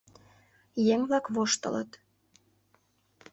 Еҥ-влак воштылыт.